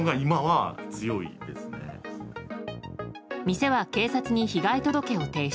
店は警察に被害届を提出。